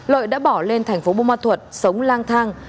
lợi đã bỏ lên thành phố bô ma thuật sống lang thang